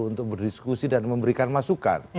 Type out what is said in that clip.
untuk berdiskusi dan memberikan masukan